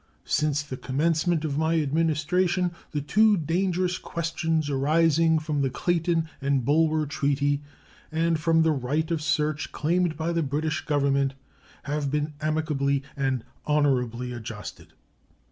Since the commencement of my Administration the two dangerous questions arising from the Clayton and Bulwer treaty and from the right of search claimed by the British Government have been amicably and honorably adjusted.